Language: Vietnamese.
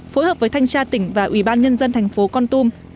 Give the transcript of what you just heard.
phối hợp với thanh tra tỉnh và ủy ban nhân dân thành phố con tum